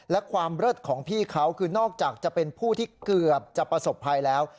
และความเลิศของพี่เขาคือนอกจากจะเป็นผู้ที่เกือบจะประสบภัยแล้ว